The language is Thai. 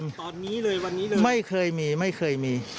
ตอนนี้เลยวันนี้เลยไม่เคยมีไม่เคยมี